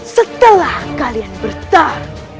setelah kalian bertaruh